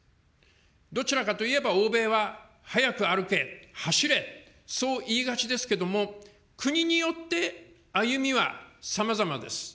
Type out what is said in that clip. どちらかといえば欧米は速く歩け、走れ、そういいがちですけども、国によって歩みはさまざまです。